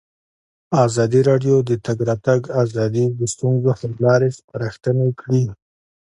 ازادي راډیو د د تګ راتګ ازادي د ستونزو حل لارې سپارښتنې کړي.